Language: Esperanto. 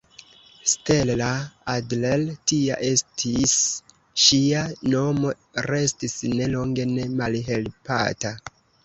Stella Adler tia estis ŝia nomo restis ne longe ne malhelpata.